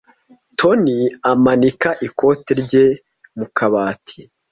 Toni amanika ikote rye mu kabati.